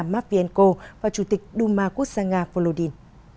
mark vienko và chủ tịch duma quốc gia nga volodyn